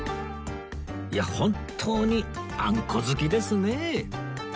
いや本当にあんこ好きですね